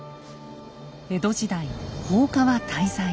江戸時代放火は大罪。